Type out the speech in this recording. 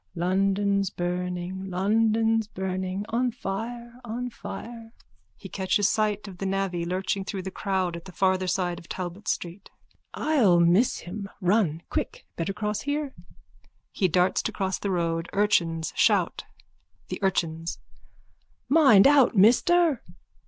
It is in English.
_ London's burning, London's burning! On fire, on fire! (He catches sight of the navvy lurching through the crowd at the farther side of Talbot street.) I'll miss him. Run. Quick. Better cross here. (He darts to cross the road. Urchins shout.) THE URCHINS: Mind out, mister!